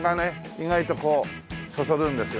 意外とこうそそるんですよ。